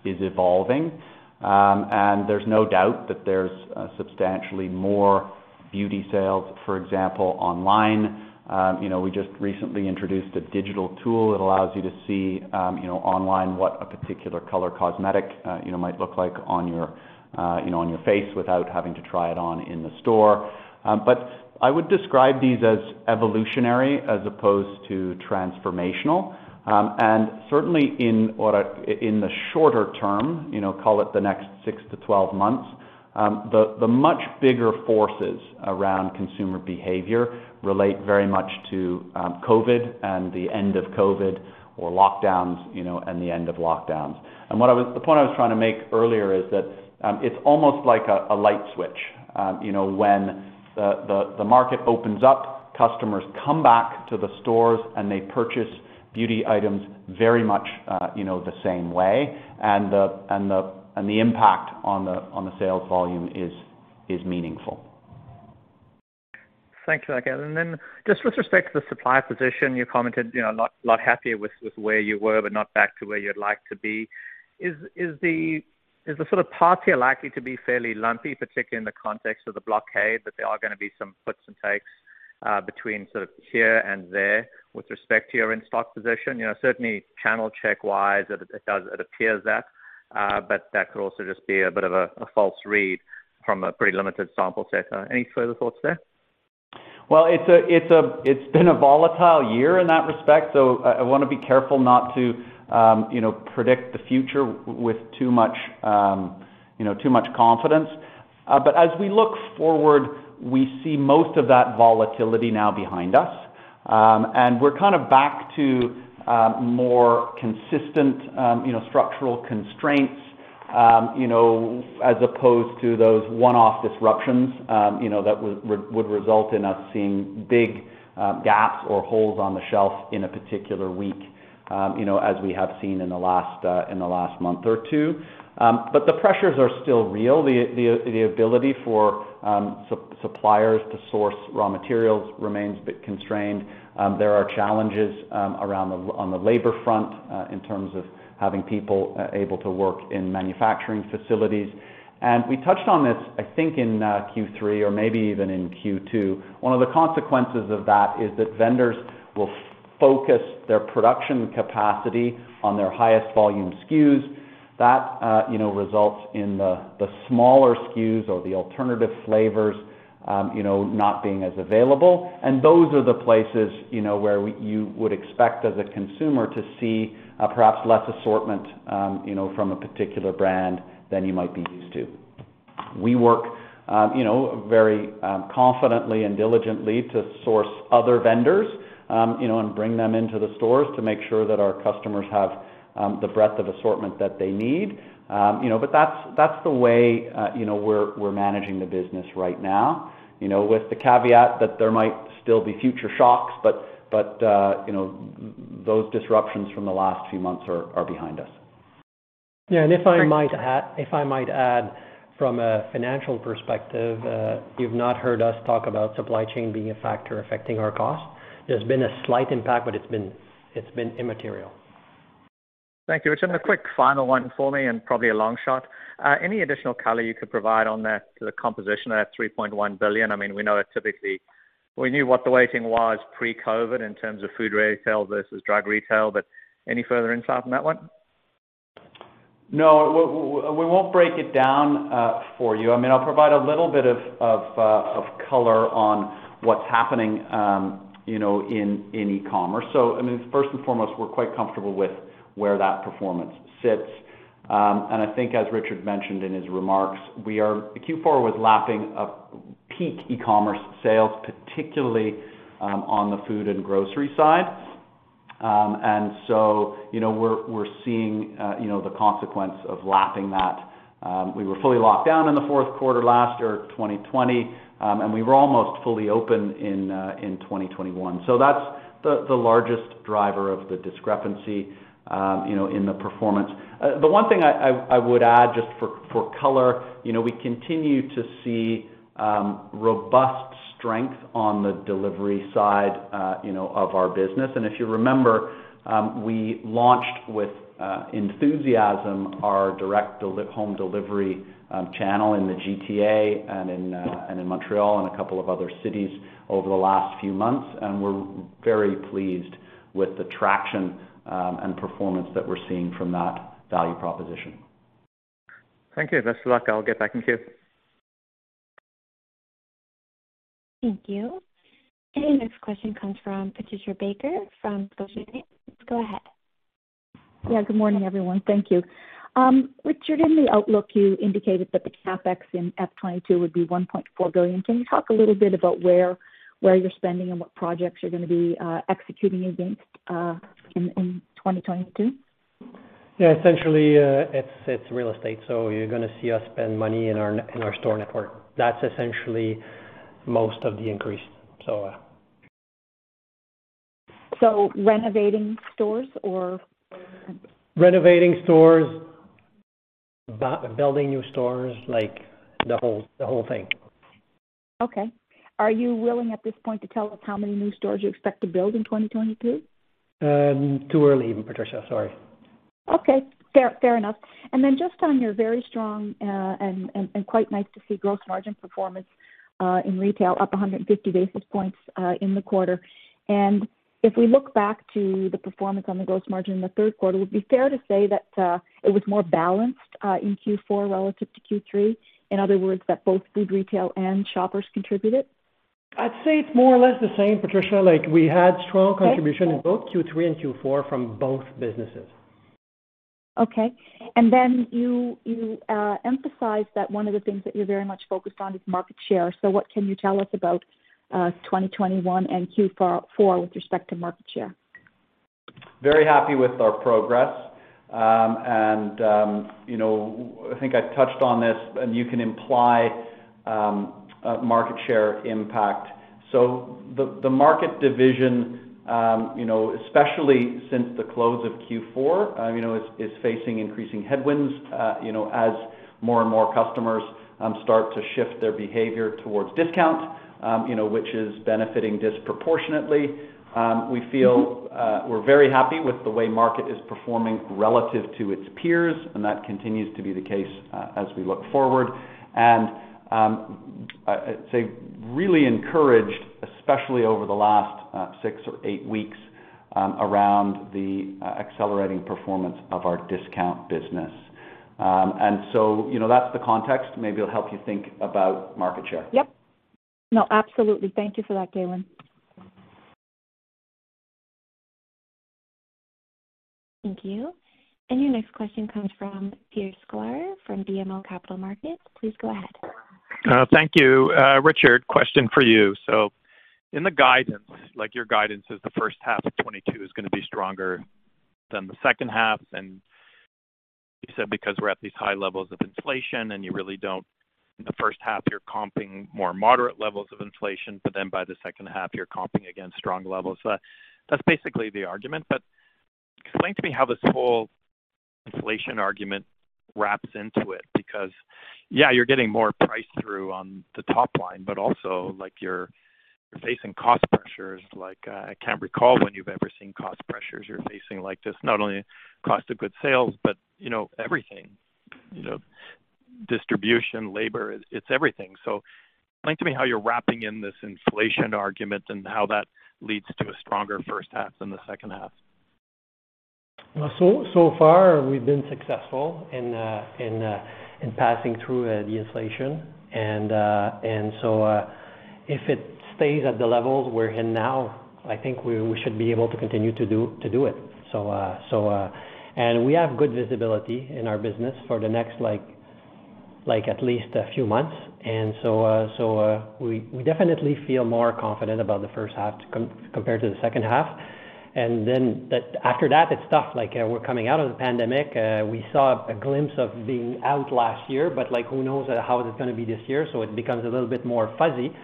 is evolving. There's no doubt that there's substantially more beauty sales, for example, online. You know, we just recently introduced a digital tool that allows you to see, you know, online what a particular color cosmetic, you know, might look like on your face without having to try it on in the store. But I would describe these as evolutionary as opposed to transformational. Certainly in the shorter term, you know, call it the next six to 12 months, the much bigger forces around consumer behavior relate very much to COVID and the end of COVID or lockdowns, you know, and the end of lockdowns. The point I was trying to make earlier is that, it's almost like a light switch. You know, when the market opens up, customers come back to the stores, and they purchase beauty items very much, you know, the same way. The impact on the sales volume is meaningful. Thank you again. Just with respect to the supply position, you commented, you know, a lot happier with where you were, but not back to where you'd like to be. Is the sort of path here likely to be fairly lumpy, particularly in the context of the blockade, that there are gonna be some puts and takes between sort of here and there with respect to your in-stock position? You know, certainly channel check-wise, it appears that, but that could also just be a bit of a false read from a pretty limited sample set. Any further thoughts there? Well, it's been a volatile year in that respect, so I wanna be careful not to, you know, predict the future with too much, you know, too much confidence. But as we look forward, we see most of that volatility now behind us, and we're kind of back to more consistent, you know, structural constraints, you know, as opposed to those one-off disruptions, you know, that would result in us seeing big gaps or holes on the shelf in a particular week, you know, as we have seen in the last month or two. The pressures are still real. The ability for suppliers to source raw materials remains a bit constrained. There are challenges on the labor front in terms of having people able to work in manufacturing facilities. We touched on this, I think in Q3 or maybe even in Q2. One of the consequences of that is that vendors will focus their production capacity on their highest volume SKUs. That you know results in the smaller SKUs or the alternative flavors you know not being as available. Those are the places, you know, where you would expect as a consumer to see perhaps less assortment you know from a particular brand than you might be used to. We work, you know, very confidently and diligently to source other vendors, you know, and bring them into the stores to make sure that our customers have the breadth of assortment that they need. You know, but that's the way, you know, we're managing the business right now, you know, with the caveat that there might still be future shocks, but you know, those disruptions from the last few months are behind us. Yeah. If I might add from a financial perspective, you've not heard us talk about supply chain being a factor affecting our costs. There's been a slight impact, but it's been immaterial. Thank you, Richard. A quick final one for me, and probably a long shot. Any additional color you could provide on that, the composition of that 3.1 billion? I mean, we know it typically. We knew what the weighting was pre-COVID in terms of Food Retail vs Drug Retail, but any further insight on that one? No. We won't break it down for you. I mean, I'll provide a little bit of color on what's happening, you know, in e-commerce. I mean, first and foremost, we're quite comfortable with where that performance sits. I think as Richard mentioned in his remarks, Q4 was lapping peak e-commerce sales, particularly, on the food and grocery side. You know, we're seeing, you know, the consequence of lapping that. We were fully locked down in the fourth quarter last year, 2020, and we were almost fully open in 2021. That's the largest driver of the discrepancy, you know, in the performance. The one thing I would add just for color, you know, we continue to see robust strength on the delivery side, you know, of our business. If you remember, we launched with enthusiasm our home delivery channel in the GTA and in Montreal and a couple of other cities over the last few months. We're very pleased with the traction and performance that we're seeing from that value proposition. Thank you. Best of luck. I'll get back in queue. Thank you. Your next question comes from Patricia Baker from Scotiabank. Go ahead. Yeah, good morning, everyone. Thank you. Richard, in the outlook, you indicated that the CapEx in FY 2022 would be 1.4 billion. Can you talk a little bit about where you're spending and what projects you're gonna be executing against in 2022? Yeah. Essentially, it's real estate. You're gonna see us spend money in our store network. That's essentially most of the increase. Renovating stores or Renovating stores, building new stores, like the whole thing. Okay. Are you willing, at this point, to tell us how many new stores you expect to build in 2022? Too early even, Patricia. Sorry. Okay. Fair enough. Just on your very strong and quite nice to see gross margin performance in retail up 150 basis points in the quarter. If we look back to the performance on the gross margin in the third quarter, would it be fair to say that it was more balanced in Q4 relative to Q3? In other words, that both Food Retail and Shoppers contributed. I'd say it's more or less the same, Patricia. Like, we had strong. Okay. Contribution in both Q3 and Q4 from both businesses. Okay. You emphasized that one of the things that you're very much focused on is market share. What can you tell us about 2021 and Q4 with respect to market share? Very happy with our progress. You know, I think I've touched on this, and you can imply a market share impact. The market division, you know, especially since the close of Q4, you know, is facing increasing headwinds, you know, as more and more customers start to shift their behavior towards discount, you know, which is benefiting disproportionately. We feel, we're very happy with the way market is performing relative to its peers, and that continues to be the case as we look forward. I'd say really encouraged, especially over the last six or eight weeks around the accelerating performance of our discount business. You know, that's the context. Maybe it'll help you think about market share. Yep. No, absolutely. Thank you for that, Galen. Thank you. Your next question comes from Peter Sklar from BMO Capital Markets. Please go ahead. Thank you. Richard, question for you. In the guidance, like your guidance is the first half of 2022 is gonna be stronger than the second half, and you said because we're at these high levels of inflation. The first half, you're comping more moderate levels of inflation, but then by the second half, you're comping against strong levels. That's basically the argument. Explain to me how this whole inflation argument wraps into it. Because, yeah, you're getting more price through on the top line, but also, like, you're facing cost pressures. Like, I can't recall when you've ever seen cost pressures you're facing like this, not only cost of goods sold but, you know, everything. You know, distribution, labor. It's everything. Explain to me how you're wrapping in this inflation argument and how that leads to a stronger first half than the second half. So far we've been successful in passing through the inflation. If it stays at the levels we're in now, I think we should be able to continue to do it. We have good visibility in our business for the next like at least a few months. We definitely feel more confident about the first half compared to the second half. After that, it's tough. Like, we're coming out of the pandemic. We saw a glimpse of being out last year, but, like, who knows how it's gonna be this year, so it becomes a little bit more fuzzy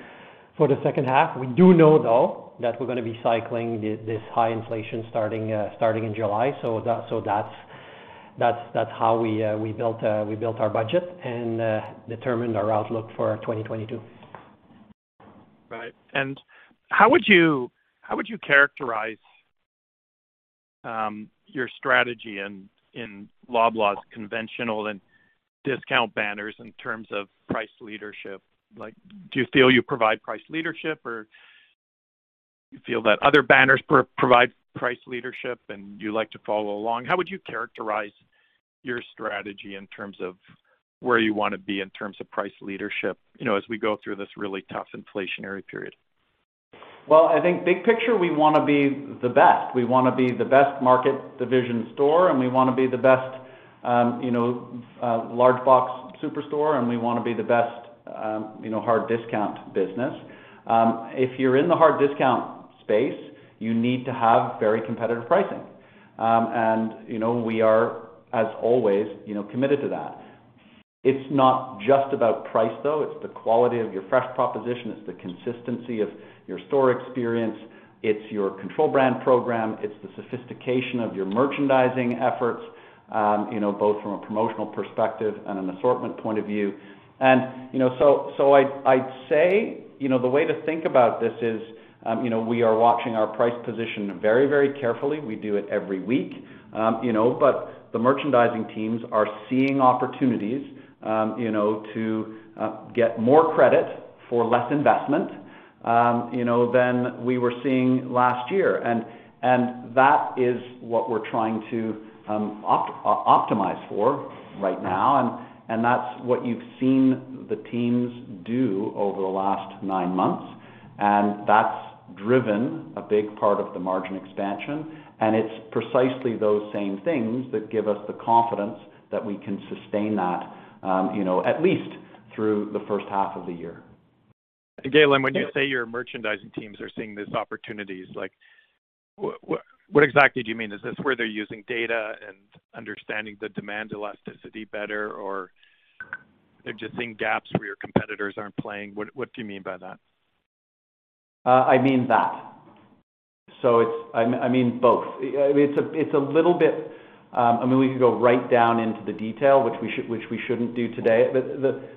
for the second half. We do know, though, that we're gonna be cycling this high inflation starting in July. That's how we built our budget and determined our outlook for 2022. Right. How would you characterize your strategy in Loblaw's conventional and discount banners in terms of price leadership? Like, do you feel you provide price leadership, or you feel that other banners provide price leadership and you like to follow along? How would you characterize your strategy in terms of where you wanna be in terms of price leadership, you know, as we go through this really tough inflationary period? Well, I think big picture, we wanna be the best. We wanna be the best market division store, and we wanna be the best, you know, large box superstore, and we wanna be the best, you know, hard discount business. If you're in the hard discount space, you need to have very competitive pricing. You know, we are, as always, you know, committed to that. It's not just about price, though, it's the quality of your fresh proposition, it's the consistency of your store experience, it's your control brand program, it's the sophistication of your merchandising efforts, you know, both from a promotional perspective and an assortment point of view. You know, I'd say, you know, the way to think about this is, you know, we are watching our price position very, very carefully. We do it every week. You know, the merchandising teams are seeing opportunities you know, to get more credit for less investment than we were seeing last year. That is what we're trying to optimize for right now. That's what you've seen the teams do over the last nine months, and that's driven a big part of the margin expansion. It's precisely those same things that give us the confidence that we can sustain that at least through the first half of the year. Galen, when you say your merchandising teams are seeing these opportunities, like what exactly do you mean? Is this where they're using data and understanding the demand elasticity better, or they're just seeing gaps where your competitors aren't playing? What do you mean by that? I mean that. I mean both. It's a little bit. I mean, we can go right down into the detail, which we shouldn't do today.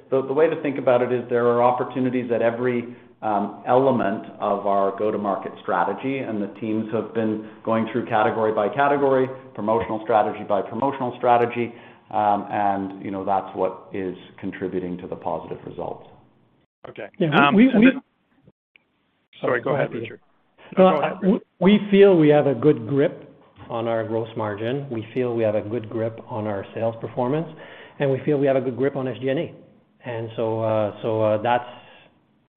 The way to think about it is there are opportunities at every element of our go-to-market strategy. The teams have been going through category by category, promotional strategy by promotional strategy, and you know, that's what is contributing to the positive results. Okay. Um- Yeah. We Sorry, go ahead, Richard. No, we feel we have a good grip on our gross margin. We feel we have a good grip on our sales performance, and we feel we have a good grip on SG&A.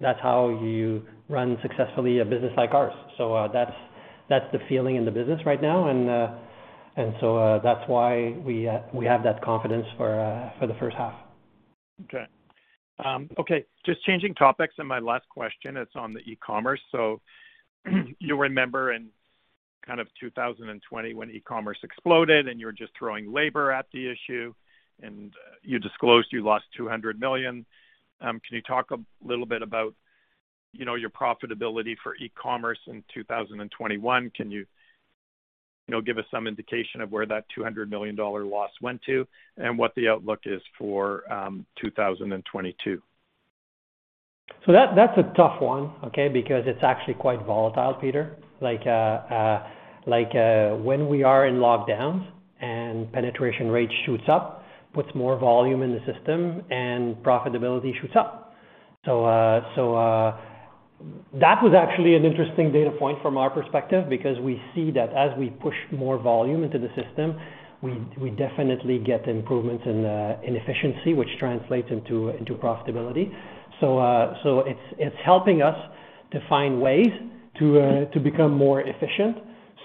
That's how you run successfully a business like ours. That's the feeling in the business right now. That's why we have that confidence for the first half. Just changing topics, and my last question is on the e-commerce. You'll remember in kind of 2020 when e-commerce exploded, and you were just throwing labor at the issue, and you disclosed you lost 200 million. Can you talk a little bit about, you know, your profitability for e-commerce in 2021? Can you know, give us some indication of where that 200 million dollar loss went to and what the outlook is for 2022? That's a tough one, okay, because it's actually quite volatile, Peter. Like when we are in lockdowns and penetration rate shoots up, puts more volume in the system and profitability shoots up. That was actually an interesting data point from our perspective, because we see that as we push more volume into the system, we definitely get improvements in efficiency, which translates into profitability. It's helping us to find ways to become more efficient.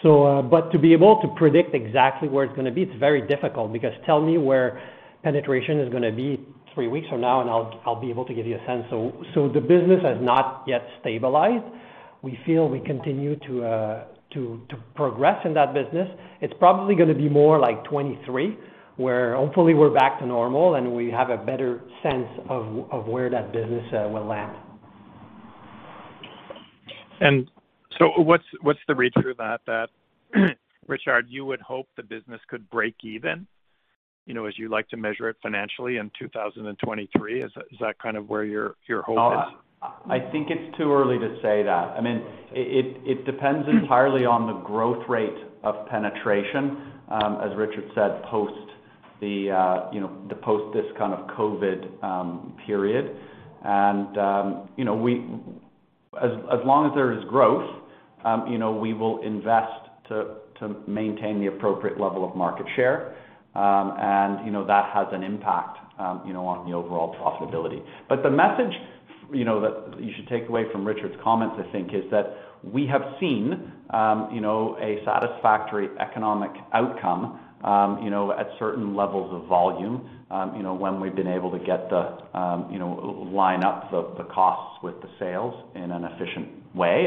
To be able to predict exactly where it's gonna be, it's very difficult because tell me where penetration is gonna be three weeks from now, and I'll be able to give you a sense. The business has not yet stabilized. We feel we continue to progress in that business. It's probably gonna be more like 2023, where hopefully we're back to normal and we have a better sense of where that business will land. What's the read through that, Richard, you would hope the business could break even, you know, as you like to measure it financially in 2023? Is that kind of where your hope is? I think it's too early to say that. I mean, it depends entirely on the growth rate of penetration, as Richard said, post this kind of COVID period. You know, as long as there is growth, you know, we will invest to maintain the appropriate level of market share. You know, that has an impact, you know, on the overall profitability. The message, you know, that you should take away from Richard's comments, I think, is that we have seen, you know, a satisfactory economic outcome, you know, at certain levels of volume, you know, when we've been able to get the line up the costs with the sales in an efficient way.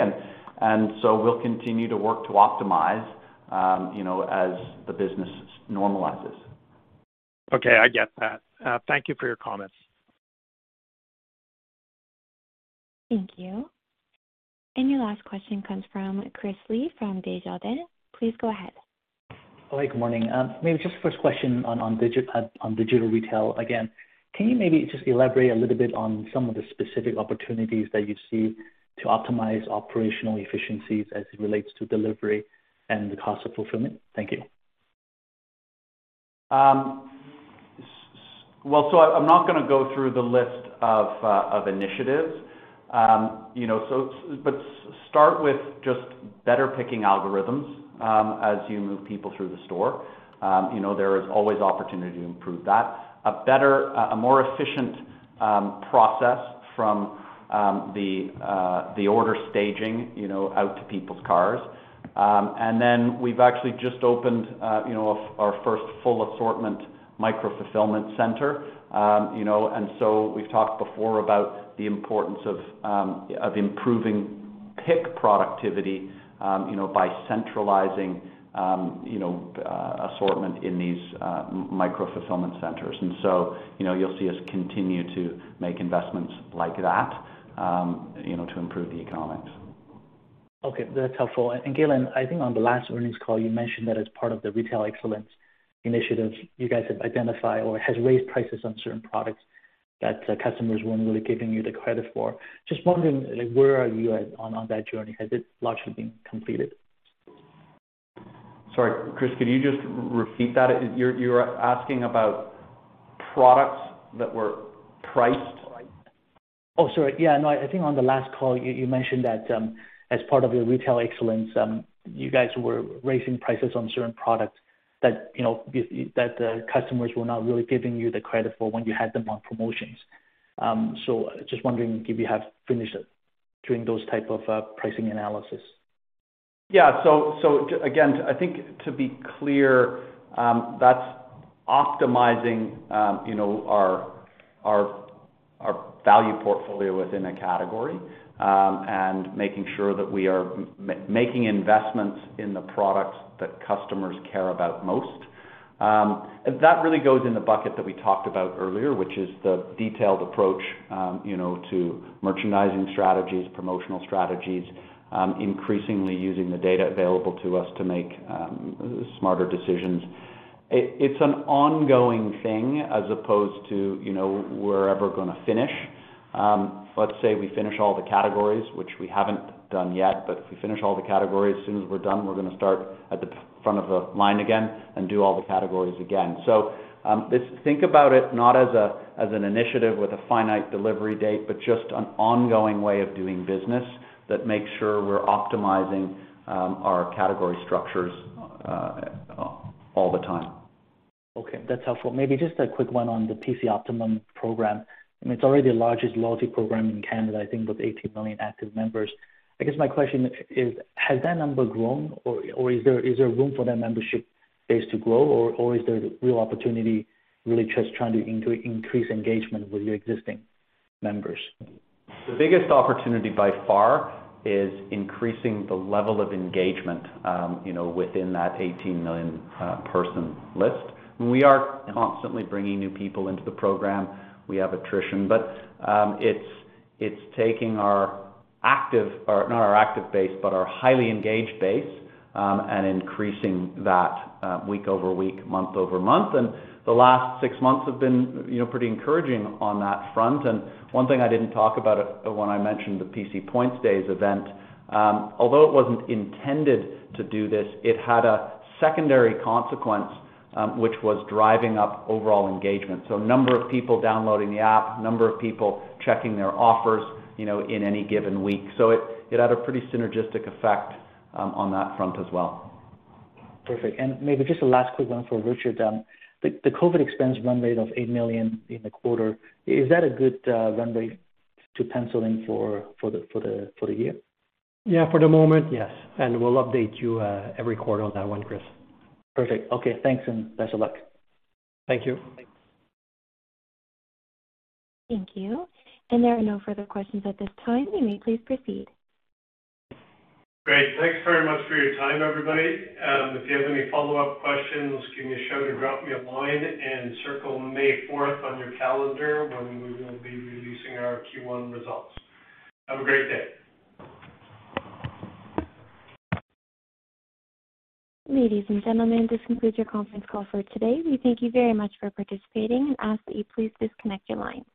We'll continue to work to optimize, you know, as the business normalizes. Okay, I get that. Thank you for your comments. Thank you. Your last question comes from Chris Li from Desjardins. Please go ahead. Hi, good morning. Maybe just first question on digital retail again. Can you maybe just elaborate a little bit on some of the specific opportunities that you see to optimize operational efficiencies as it relates to delivery and the cost of fulfillment? Thank you. Well, I'm not gonna go through the list of initiatives. You know, but start with just better picking algorithms as you move people through the store. You know, there is always opportunity to improve that. A better, a more efficient process from the order staging, you know, out to people's cars. We've actually just opened you know, our first full assortment micro-fulfillment center. You know, we've talked before about the importance of improving pick productivity you know, by centralizing you know, assortment in these micro-fulfillment centers. You know, you'll see us continue to make investments like that you know, to improve the economics. Okay, that's helpful. Galen, I think on the last earnings call, you mentioned that as part of the retail excellence initiatives you guys have identified areas or have raised prices on certain products that customers weren't really giving you the credit for. Just wondering, like, where are you at on that journey? Has it largely been completed? Sorry, Chris, could you just repeat that? You're asking about products that were priced? Oh, sorry. Yeah. No, I think on the last call you mentioned that as part of your retail excellence, you guys were raising prices on certain products that, you know, that the customers were not really giving you the credit for when you had them on promotions. So just wondering if you have finished doing those type of pricing analysis. Yeah. Again, I think to be clear, that's optimizing, you know, our value portfolio within a category, and making sure that we are making investments in the products that customers care about most. That really goes in the bucket that we talked about earlier, which is the detailed approach, you know, to merchandising strategies, promotional strategies, increasingly using the data available to us to make smarter decisions. It's an ongoing thing as opposed to, you know, we're ever gonna finish. Let's say we finish all the categories, which we haven't done yet, but if we finish all the categories, as soon as we're done, we're gonna start at the front of the line again and do all the categories again. This... Think about it not as an initiative with a finite delivery date, but just an ongoing way of doing business that makes sure we're optimizing our category structures all the time. Okay, that's helpful. Maybe just a quick one on the PC Optimum program. I mean, it's already the largest loyalty program in Canada, I think with 80 million active members. I guess my question is, has that number grown or is there room for that membership base to grow or is there real opportunity really just trying to increase engagement with your existing members? The biggest opportunity by far is increasing the level of engagement, you know, within that 18 million person list. We are constantly bringing new people into the program. We have attrition, but it's taking our highly engaged base and increasing that week-over-week, month-over-month. The last six months have been, you know, pretty encouraging on that front. One thing I didn't talk about when I mentioned the PC Points Days event, although it wasn't intended to do this, it had a secondary consequence, which was driving up overall engagement, number of people downloading the app, number of people checking their offers, you know, in any given week. It had a pretty synergistic effect on that front as well. Perfect. Maybe just a last quick one for Richard. The COVID expense run rate of 8 million in the quarter, is that a good run rate to pencil in for the year? Yeah, for the moment, yes. We'll update you, every quarter on that one, Chris. Perfect. Okay, thanks, and best of luck. Thank you. Thank you. There are no further questions at this time. You may please proceed. Great. Thanks very much for your time, everybody. If you have any follow-up questions, give me a shout or drop me a line and circle May fourth on your calendar when we will be releasing our Q1 results. Have a great day. Ladies and gentlemen, this concludes your conference call for today. We thank you very much for participating and ask that you please disconnect your line.